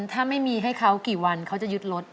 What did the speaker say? ถ้าไม่มีให้เขากี่วันเขาจะยึดรถ